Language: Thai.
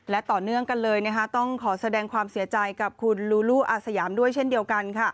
และต่อเนื่องกันเลยต้องขอแสดงความเสียใจกับคุณลูลูอาสยามด้วยเช่นเดียวกัน